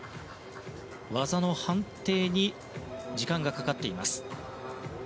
技の判定に時間がかかっています。